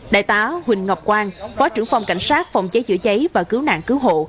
đại tá huỳnh ngọc quang phó trưởng phòng cảnh sát phòng cháy chữa cháy và cứu nạn cứu hộ